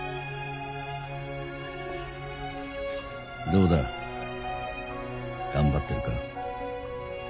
「どうだ？頑張ってるか？」